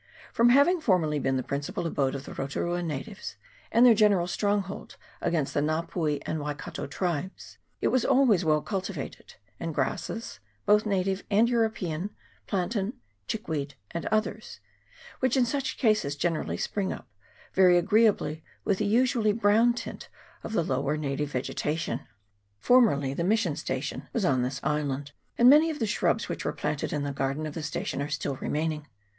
From having formerly been the principal abode of the Rotu rua natives, and their great stronghold against the Nga pui and Waikato tribes, it was always well cultivated, and grasses, both native and European, plantain, chickweed, and others, which in such cases generally spring up, vary agreeably the usually brown tint of the lower native vegeta tion. Formerly the mission station was on this island, and many of the shrubs which were planted in the garden of the station are still remaining.